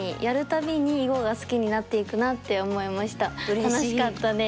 楽しかったです。